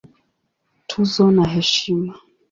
Tuzo na Heshima